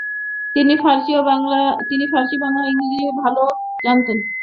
তিনি ফার্সি, বাংলা ও ইংরেজি ভালো জানতেন।